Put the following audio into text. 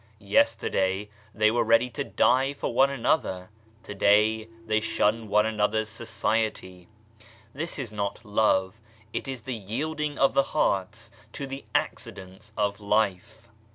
Yester day they were ready to die for one another, to day they shun one another's society ! This is not love ; it is the yielding of the hearts to the accidents of life.